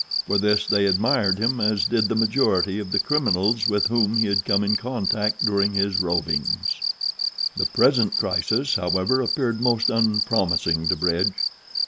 For this they admired him as did the majority of the criminals with whom he had come in contact during his rovings. The present crisis, however, appeared most unpromising to Bridge.